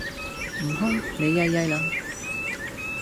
悟空,你曳曳啦